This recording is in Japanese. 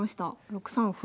６三歩。